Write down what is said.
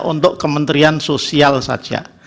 untuk kementerian sosial saja